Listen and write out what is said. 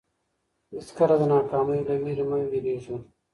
هیڅکله د ناکامۍ له وېرې مه وېرېږئ.